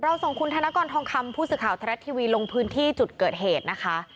ส่งคุณธนกรทองคำผู้สื่อข่าวไทยรัฐทีวีลงพื้นที่จุดเกิดเหตุนะคะ